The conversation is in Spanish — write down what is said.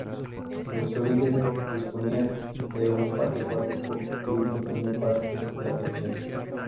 En sus orígenes disponía de un parque acuático y un pequeño parque de atracciones.